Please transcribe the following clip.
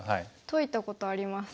解いたことあります。